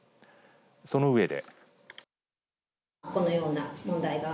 そのうえで。